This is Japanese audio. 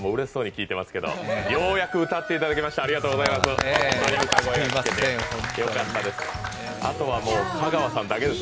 ようやく歌っていただけました、ありがとうございます。